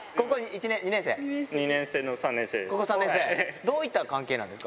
２年生の３年生です。